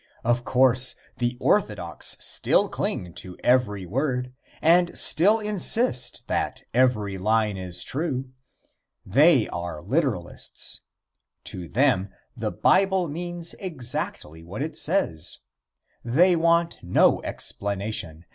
Of course, the orthodox still cling to every word, and still insist that every line is true. They are literalists. To them the Bible means exactly what it says. They want no explanation.